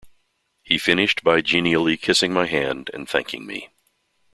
He finished by genially kissing my hand and thanking me.